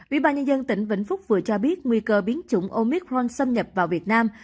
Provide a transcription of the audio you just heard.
vĩ bàn nhân dân tỉnh vĩnh phúc vừa cho biết nguy cơ biến chủng omicron xâm nhập vào việt nam